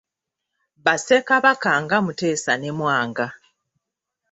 Ba ssekabaka nga Mutesa ne Mwanga.